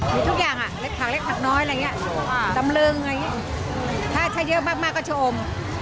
มีทุกอย่างเล็กผักเล็กผักน้อยตำลึงถ้าเยอะมากก็จะอม